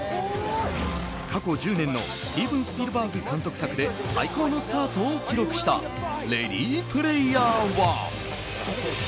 過去１０年のスティーブン・スピルバーグ監督作で最高のスタートを記録した「レディ・プレイヤー１」。